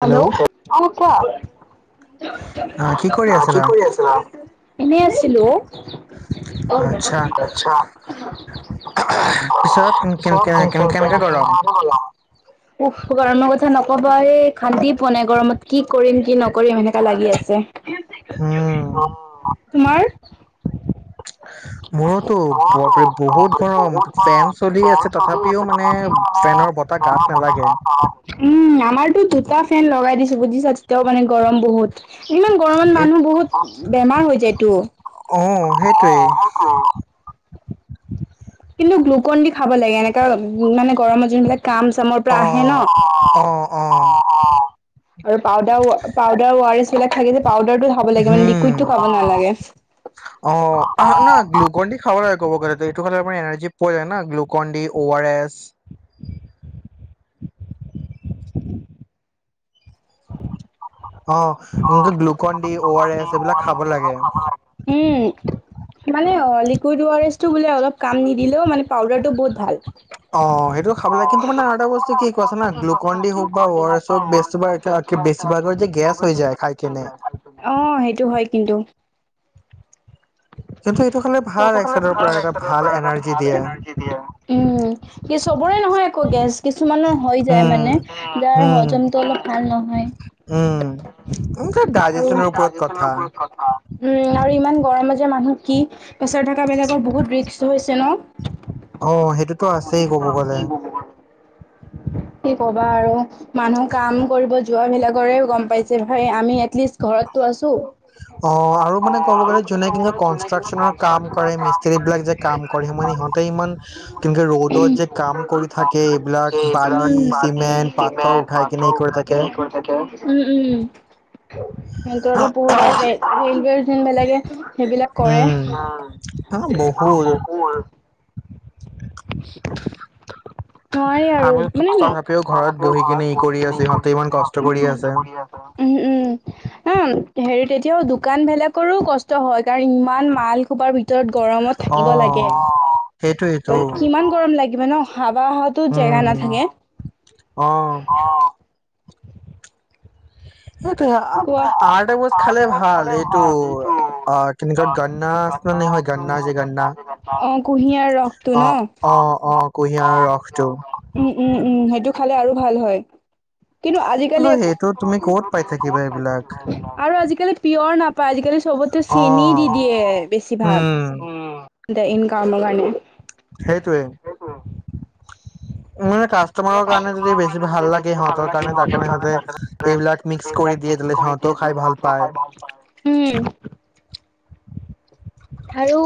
Hello অ কোৱা কি কৰি কি আছিলা কৰি আছা? এনে আছিলো। উ আচ্ছা পিছত কেন- কেন- কেন- কেনেকে গৰম গৰম কথা নক নকবা ৰেহ শান্তি পোৱা নাই গৰমত কি কৰিম কি নকৰিম এনেকা লাগি আছে। উম তোমাৰ? মোৰোতো আ বাপৰে বহুত মইটো গৰম বহুত ফেন চলি আছে তথাপিও চ ক মানে ম ফেনৰ বতাহ প্ৰ গাত ম প নালাগে উম আমাৰতো দুটা ফেন লগাই দিছো বুজিছা তেতিয়াও মানে গৰম বহুত। ইমান গৰমত সেই মানুহ বহুত বেমাৰ হৈ যায়তো। উম সেইটোৱেই। কিন্তু গ্লুকন দি খাব লাগে এনেককা উম মানে গৰমৰ যোনবিলাক কাম চামৰ পৰা আহে ন। অ অ আৰু পাউদাৰ পাউদাৰ ৱাৰিছ বিলাক থাকে যে। পাউডাৰটো খাব লাগে মে হম লিকুইডটো খাব নালাগে 'ব গালাৰ এনাৰ্জি পোৱা যায় ন গ্লুকন ডি আৰ এছ। অ এনেকে Glucon D O R S এইবিলাক খাব লাগে। উম [unintelligible] মানে অ লিকুইড অ আৰ এছ টো বোলে অলপ কাম নিদিলেও মানে পাউদাৰটো বহুত ভাল। অ সেইটো খাব লাগে কিন্তু মানে আ এটা বস্তু কি কছা গ্লুকন দি হওক বা ৱ হক বে্ত বেছভাগৰ যে গেছ হৈ যায় খাই কেনে অ সেইটো হয় কিন্তু। কিন্তু এইটো খালে ভাল সেইটো এক খালে চাইডৰ ভাল পৰা এটা একচুৱেলী ভাল এনাৰ্জি ভাল দিয়ে এনাৰ্জি এটা দিয়ে। উম কি চবৰে নহয় আকৌ গেছ কিছুমানৰ হৈ যায় উম মানে যাৰ উম হজমতটো অলপ ভাল নহয়। উম আৰু ডাইজেচনৰ ওপৰত কথা ইমান গৰম মাজৰে মানুহ সি পেছাৰ থকা বিলাকৰ বহুত ৰিক্স হৈছে ন। অ সেইটোতো পজি আছেই ক'ব আছে গ'লে বহুত। কি কবা আৰু মানুহ কাম কৰিব যোৱ বিলাকৰে গম যে ভাই আমি এটলিষ্ট ঘৰতটো আছো। অ আৰু অ মানে ক'ব আৰু গ'লে বুলি যোনে কব কিন্তু যোনে কিবা কনষ্ট্ৰাকচনৰ কাম কন্ট্ৰেক্টচনৰ কৰে কাম মিস্ত্ৰী কৰে। বিলাক যে কাম কৰে মানে সিহঁতে ইমান কিন্তু ৰ'দত যে কাম কৰি থাকে এইবিলাক এইবিলাক বালি বালি চিমেণ্ট পাথৰ উঠাই কিনে ই পাথৰ কৰি উঠাই থাকে কিনে এই কৰি থাকে। সিহঁতৰ অলপ বহুত আৰু ৰে ৰেলৱে যেন বেলেগে সেইবিলাক কৰে। উম অ হা বহুত ব ক হয়। [unintelligible] নোৱাৰি আৰু আমি মানে তথাপিও তহতেও বহি ঘৰত কিনে ই পঢ়ি কিনি আছো ইহঁতে কৰি ইমান আছে কষ্ট সতেও কৰি কষ্ট কৰি আছে। উম উম। উম হেৰি তেতিয়াও দোকান ভেলাকৰো কষ্ট হয় কাৰণ ইমান মাল সুবাৰ ভিতৰত গৰমত অ থাকিব লাগে ত সেইটোয়েইটো কিমান গৰম লাগিব ন অহ- বা হাতো জেগা উম নাথাকে। [unintelligible] সেইটোৱে আ কোৱা এটা বোজ খালে ভাল এইটো অ কেনেকৈ গন্না হয়, গন্না যে গন্না অ কুঁহিয়াৰ ৰসটো ন অ', অ', অ' কুঁহিয়াৰৰ ৰসটো। উ'ম, উ'ম, উ'ম, সেইটো খালে আৰু ভাল হয়। কিন্তু আজিকালি একো সেইটো তুমি ক'ত পাই থাকিবা এইবিলাক আৰু আজিকালি পিয়ৰ নাপায়, আজিকালি চবতে অ চেনি দি দিয়ে, বেছিভাগ উম ইনকামৰ কাৰণে সেইটোৱে। [unintelligible] মানে যদি কাষ্টমাৰ বেছি কাৰণে ভাল যদি লাগে বেছি ভাল সিহঁতৰ লাগে কাৰণে তাৰ সিহঁতৰ কাৰণে সিহঁতে এইবিলাক মিক্স কাৰণে। কৰি দিয়ে তেলে কৰি সিহঁতেও দিয়ে খাই ভাল [inaudible] পায় খাই ভাল পায়। আৰু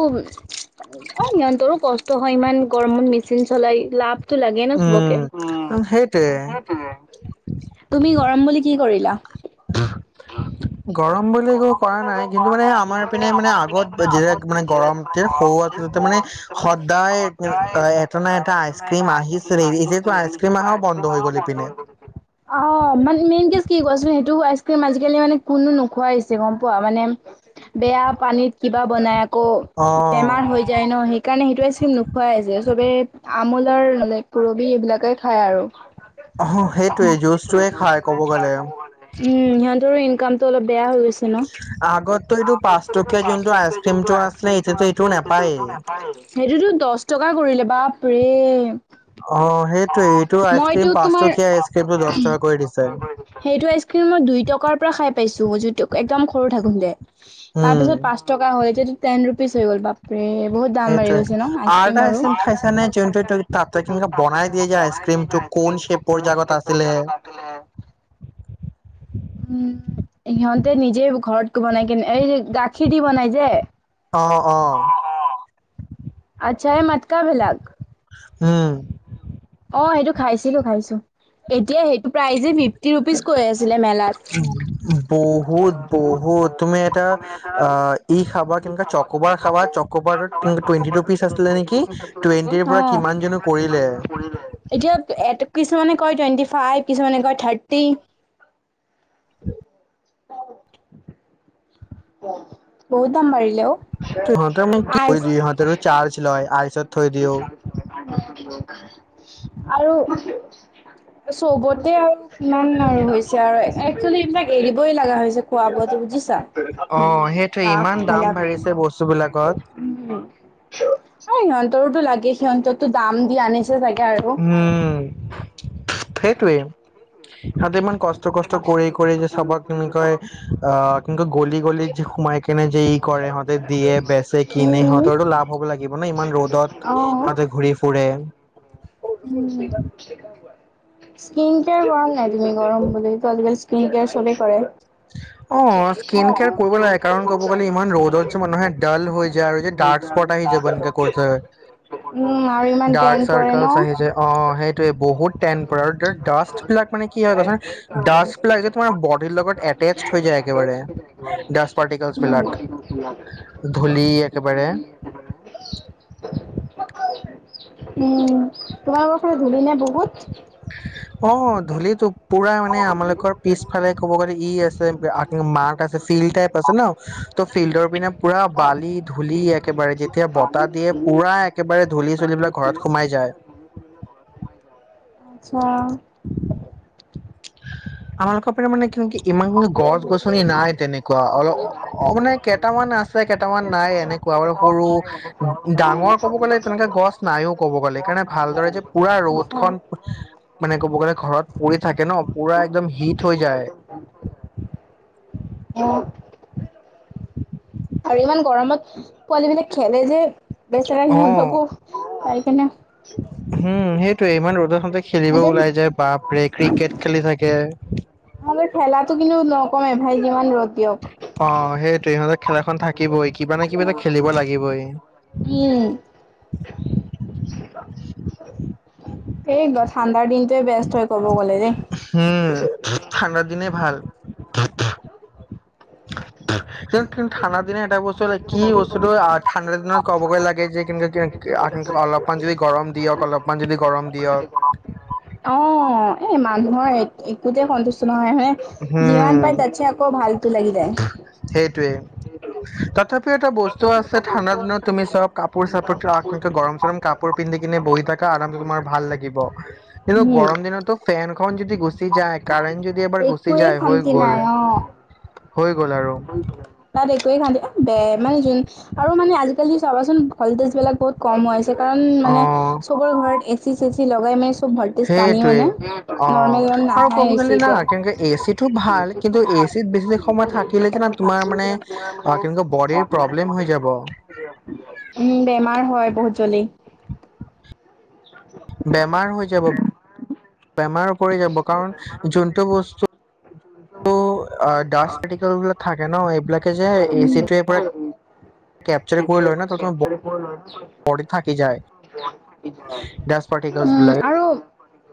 সিহতৰো কষ্ট হয় ইমান গৰমত মেচিন চলাই লাভ তো লাগে সবকে। উম সেইটোৱে তুমি গৰম বুলি কি কৰিলা? গৰম বুলি একো কৰা নাই, কিন্তু মানে আমাৰ পিনে মানে আগত যেতিয়া মানে গৰম সৰুতে মানে সদায় এটা ন এটা আইচ ক্ৰিম আহিছিল যেতু আইচ ক্ৰীম আহাও বন্ধ হৈ গল। ইপিনে অ, মানে মেইন কে কি কোৱাচোন সেইটো আইচ ক্ৰীম আজিকালি মানে কোনোনো খাইিছে গম পোৱা মানে বেয়া পানীত কিবা বনাই। আক অ বেমাৰ হৈ যায় ন সেইকাৰণে সেইটো স্কিম নোখোৱাই আছে চবে আমল মানে পুৰবি এইবিলাকে খায় আৰু। অ উম, সেইটোৱে জুচটোৱে সিহতৰনক খাই ক'ব গ'লে অলপেয়া হৈ গৈছে। আাৰছেতি আগতো এইখন এইটো পাঁচ টকীয়া এফ যোনটো আইচক্ৰীমটো সেইটোতো আছিলে এতিয়াতো এইটো দহ নাপায়েই টকা কৰিলে বাপ ৰে অ, সেইটোৱে এইটো মইতো আইচক্ৰীম পাঁচ তোমাৰ টকীয়া আইচক্ৰীমটো দহ টকা কৰি দিছে সেইটো কিন্তু মই দুই টকাৰ পৰা খাই পাইছো। জু এক্দম সৰু থাকোতে তাৰ পিছত উম পাচ টকা হ'লতি টেন ৰুপিজ হৈ গ'ল বাপৰে। বহুত দাম বাঢ়ি সেইটে গৈছে ন আৰু এটা আইচ আইচক্ৰীমৰো ক্ৰীম খাইছ নে যোনু তাতে কে বনাই দিয়ে যে আইচ ক্ৰীমোক কোন শেপৰ জগত আছিলে। [unintelligible] উম, সিহতে নিজে ঘৰত বনাই কেনে এই গাখীৰ দি বনাই যে। অ - অ। আচ্ছাই মাতকাবিলাক। উম, অ, সেইটো খাইছিলো খাইছো এতিয়া সেইটো প্ৰাইজে ফিফটি ৰুপিজ কৈ আছে। বহুত - বহুত তুমি এটা আহ, ই খাবৰ কবাৰ খাবাৰ টুৱেন্টি ৰুপিচ আছিলে নেকি টুৱেন্টিৰ পৰা নেকি কিমানো পে এতিয়া কিছুমানে কয় টুৱেণ্টি ফাইভ কিছুমানে কয় থাৰ্টি। বহু দাম পাৰিলে অ, ইহঁতে মোক কি কৰি আইচ। দিয়ে ইহঁতৰো চাৰ্জ লয় আইচত থৈ দিও। আৰু চবতে আৰু ইমান আৰু হৈছে আৰু একচেলি এইবিলাক এৰিবই লগা হৈছে। যে কোৱা আব বুজিছা। [unintelligible] অ, অ' সেইটোৱে ইমান দাম বাঢ়িছে বস্তু বিলাকত সিহতৰোতটো লাগে সিহতৰতো দাম দি আনিছে। জাগে আৰু উম, সিহতে ইমান কষ্ট - কষ্ট কৰি কৰি যে চবক কেনেকৈ অ, কিনেকৈ গলি গলি যি সোমাই কেনে যে ই কৰে সিহতে দিয়ে বেচে কিনে উম। সিহতৰটো লাভ হ'ব লাগিব ন ইমান অ ৰ'দত উম। সিহতে ঘূৰি ফুৰে। [unintelligible] [unintelligible] স্কিন কিয়াৰ গৰম নাই তুমি গৰম বুলি আজিকালি কিন কেয়াৰ চবেই কৰে। অহ স্কিন কেয়াৰ কৰিব লাগে কাৰণ ক'ব গ'লে ইমান ৰ'দত যে মানুহে ডাল হৈ যায় আৰু ডাৰ্ক স্পট আহি। উম [unintelligible] আৰু ইমান টেন ডাৰ্ক পৰে ন চাৰকেল উম আহিছে যায় অহ সেইটোয়ে বহুত টেন আৰু ডাষ্ট বিলাক মানে কি। কি হয় ক চোন ডাষ্ট বিলাক যে তোমাৰ বডিৰ লগত এ। [unintelligible] পাৰ্টিকলছ বিলাক মানে। উম ধূলি একেবাৰে তোমালোকৰ ফালে ধূলি নে বহুত। অহ ধূলিতো। পুৰা মানে আমালোকৰ পিছফালে ক'ব গ'লে ই আছে আগ মাৰ্ক আছে চিল টাইপ আছে ন। ত' ফিল্ডৰ পিনে পুৰা বালি ধূলি একেবাৰে যেতিয়া বতাহ দিয়ে পুৰা একেবাৰে ধূলি। ধূলি বিলাক ঘৰত সোমাই যায়। আচ্ছা। আমালোকৰ পিনে মানে কি হয় কি। ইমান গছ গছনি নাই তেনেকুৱা অলপ অ মানে কেইটামান আছে কেইটামান নাই এনে। কোৱা গলে সৰু ডাঙৰ ক'ব গ'লে তেনেকে গছ নাইয়েও ক'ব গ'লে সেইকাৰণে ভালদৰে যে পুৰা। ৰ'দ খন হে মানে ক'ব গ'লে ঘৰত পৰি থাকে ন পুৰা একদম হিট হৈ যায়। অহ। আৰু ইমান গৰমত পোৱালী বিলাক খেলে যে। বেচেৰা অ সিহঁতকো অহ চাই কিনে। উম সেইটোৱে ইমান ৰ'দত হতে খেলিব ওলাই যায় বাপৰে ক্ৰিকেট খেলি থাকে। তথাপিও খেলা টো কিন্তু নকমে ভাই যিমান ৰ'দ। দিয়ক অহ সেইটোৱে ইহঁতৰ খেলাখন থাকিবই কিবা না কিবা এটা খেলিব লাগিবই। উম। এই ঠাণ্ডা দিন [unintelligible] কব গ'লে দেই উম ঠাণ্ডাৰ দিনেই ভাল [inaudible] কিন্তু ঠাণ্ডা দিন এটা বস্তু কি বস্তুটো আ ঠাণ্ডা দিনত ক'ব গৈ লাগে যে অ এ কিন্তু অলপমান যদি গৰম দিয়ক অলপমান যদি গৰম দিয়ক মানুহৰ একোতে সন্তুষ্ট নহয় হে যিমান হম পায় তাতছে আকৌ ভালতো লাগি যায় সেইটোৱে তাপা এটা বস্তু আছে ঠাণ্ডা দিনত তুমি চব কাপোৰ চাপোৰ গৰম চৰম কাপোৰ পিন্ধি কিনে বহি থাক থাকা আৰাম তোমাৰ ভাল লাগিৱ কিন্তু উম। গৰমদিনতো ফেন খন যদি গুচি যায় কাৰাৰেণ্ট যদি এবাৰ গুচি একোৱেই যায় হৈ শান্তি গ'ল নাই অ', হৈ গ'ল আৰু তাত একোৱে খান দে বেয় মানে যোন আৰু মানে আজিকালি চাবাচোন ভলটেজবিলাক বহুত কম হৈ আছে কাৰণ অ মানে চবৰে ঘৰত এ চি চে চি লগাই মেলি সেইটোৱে অ মানে আৰু নাহাই ক'ব হৈছে গলে ন এতিয়া। কে এ চি টো ভাল কিন্তু এ এছিত বেছি সময় থাকিলে উ যিমান প্ৰব্লেম হৈ যাব বেমাৰ হয় বহুত জলি বেমাৰ হৈ যাব বেমাৰ পৰি যাব কাৰণ যোনটো বস্তু [inaudible] থাকে ন এইবিলাকে যে এ উম। চি টোৱে পৰা কেপচাৰ কৰি লয় ন ত তম ব থাকি যায় গছ পাৰ্টিকেলছ উম বিলাকে। আৰু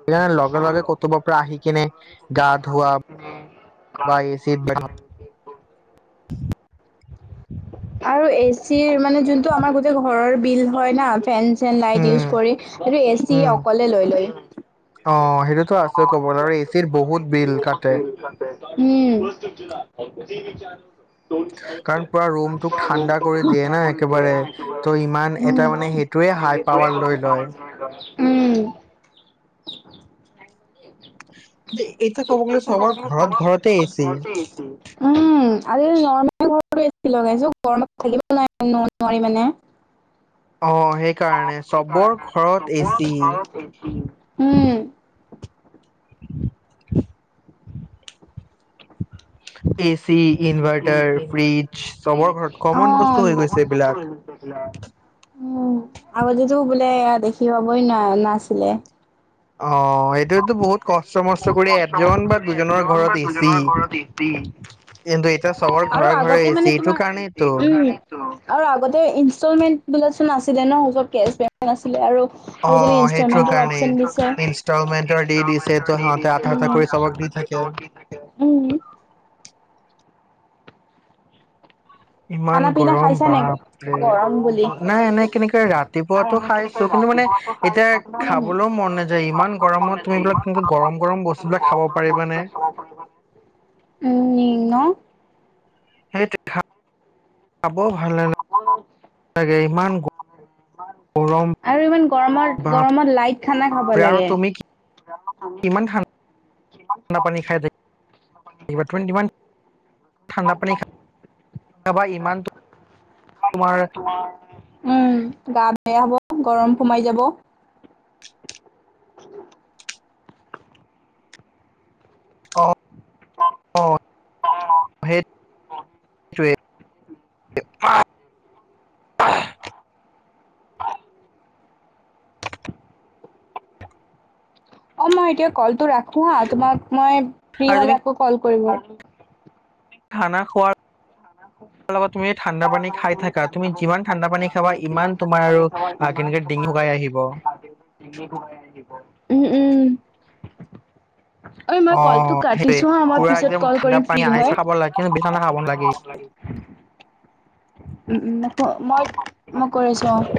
সেইকাৰণে লগে লগে কতুব পৰা আহি কিনে, গা ধোৱা এই চিত [inaudible] আৰু এচিৰ মানে যোনটো আমাৰ গোটেই ঘৰৰ বিল হয় না, ফেন চেন লাইট উম, ইউজ কৰি এই এ চি উম, অকলে লৈ লৈ। অ, উম্। সেইটো কাটে [unintelligible] কাৰণ পুৰা ৰুমটোক ত ঠাণ্ডা ৰোগটো কৰি দিয়ে ঠাণ্ডা না কৰি দিয়ে একেবাৰে ন, সেইটো ত' ইমান এটা মানে সেইটোৱে হাই সেইটোৱে পাৱাৰ লৈ লয়। হয়। [unintelligible] [inaudible] [unintelligible] এতিয়া ক'ব গ'লে চবৰ ঘৰত ঘৰতে এচি। উম আজি কালি নৰমেল [unintelligible] অ', সেইকাৰণে চবৰ ঘৰত এচি। উম [unintelligible] চি ইনভাৰ্টাৰ ফ্ৰিজ চবৰ ঘৰত কমন বস্তু হৈ গৈছে এইবিলাক। উম, আগতেটো বোলে দেখি পাবই ন নাছিলে। অ', এইটোৱেইটো বহুত কষ্ট মষ্ট কৰি এজন বা দুজনৰ ঘৰত এছি। আৰু আগতে মানে তোমাৰ কাৰণেইতো উম্ আৰু আগতে ইনষ্টলমেণ্ট বিলা নাছিলে ন। য'ত কেচ [unintelligible] আছিলে আৰু অ আৰু সেইটো ইনস্তলমেন্তৰো কাৰণেই অপচন দিছে অ', ইনষ্টলমেন্টৰ দি দিছে ইনস্তলমেন্ত তো সিহঁতে আধা আধা কৰি চবক দি থাকে [unintelligible] উম, উম। ইমান খানা পিনা গৰম খাইছা নে বাপৰে গৰম বুলি? নাই এনে কেনেকে ৰাতিপুৱাতটো খাইছো কিন্তু মানে এতিয়া খাবলৈও মন নাযায় ইমান গৰমত তুমি বোলে তেনে গৰম গৰম বস্তুবলাক খাব পাৰা। উম, ন। সেইটোয়ে খাব ভাল নেলাগে ইমান গৰ আৰু ইমান গৰমৰ বাপৰে গৰমত লাইট খানা খাব আৰু লাগে। তুমি কি কিমান ঠাণ্ডা পানী খাই দে [unintelligible] [unintelligible] খাবা ইমান তোমাৰ উম, গা বেয়া হ'ব গৰম সোমাই যাব। অ', অ', সেই টোৱে। [unintelligible] অ', মই এতিয়া কলটো ৰাখো হা তোমাক মই ফ্ৰী আৰু তুমি হলে আকৌ কল কৰিবা। খানা খোৱাৰ [unintelligible] লগত তুমি ঠাণ্ডা পানী খাই থাকা তুমি যিমান ঠাণ্ডা পানী খাবা ইমান তোমাৰ আৰু [unintelligible] উম, কেনেকে ডিঙি শুকাই আহিব উম। অই মই অ কলটো সেইটোৱে কাতিছোঁ হা, মই পুৰা পিছত একদম কল ঠাণ্ডা কৰিম ফ্ৰি পানী আইচ হৈ। খাব লাগে কিন্তু বেছি ঠাণ্ডা খাব [inaudible] উম্, উম্, মই ক মই কৰি আছোঁ অ'হচ